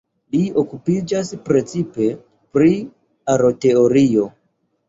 Li okupiĝas precipe pri Aroteorio.